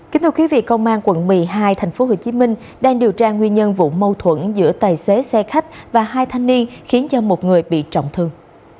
kính thưa quý vị công an quận một mươi hai tp hcm đang điều tra nguyên nhân vụ mâu thuẫn giữa tài xế xe khách và hai thanh niên khiến cho một người bị trọng thương